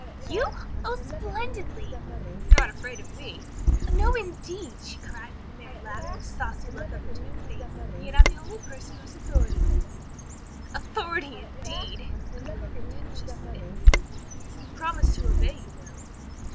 "You? Oh, splendidly!" "You are not afraid of me?" "No, indeed!" she cried, with a merry laugh and a saucy look up into his face. "And yet I'm the only person who has authority over you." "Authority, indeed!" with a little contemptuous sniff. "You promised to obey, you know."